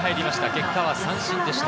結果は三振でした。